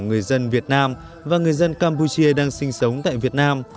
người dân việt nam và người dân campuchia đang sinh sống tại việt nam